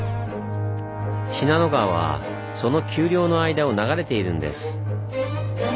信濃川はその丘陵の間を流れているんです。